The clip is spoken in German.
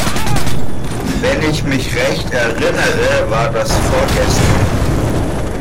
Wenn ich mich recht erinnere, war das vorgestern.